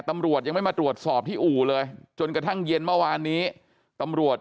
ตำรวจยังไม่มาตรวจสอบที่อู่เลยจนกระทั่งเย็นเมื่อวานนี้ตำรวจ